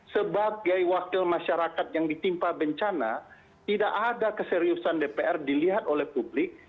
sebagai wakil masyarakat yang ditimpa bencana tidak ada keseriusan dpr dilihat oleh publik